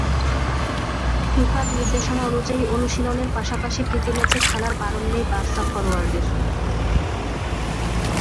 ফিফার নির্দেশনা অনুযায়ী, অনুশীলনের পাশাপাশি প্রীতিম্যাচে খেলতে বারণ নেই বার্সা ফরোয়ার্ডের।